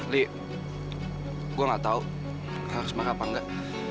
li gue nggak tahu harus marah apa nggak